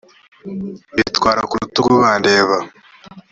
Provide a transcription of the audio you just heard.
mbitwara ku rutugu bandeba